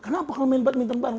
kenapa kalau main badminton bareng